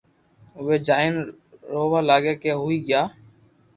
اووي جائين رووا لاگيا ڪي ھوئي گيا